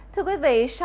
thưa quý vị